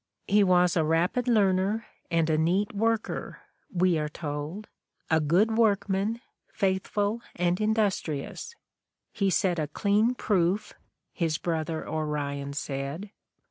"He was a rapid learner and a neat worker," we are told, "a good workman, faithful and industrious;" "he set a clean proof," his brother Orion said.